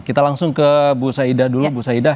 kita langsung ke bu saidah dulu